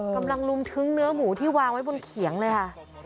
ลุมทึ้งเนื้อหมูที่วางไว้บนเขียงเลยค่ะ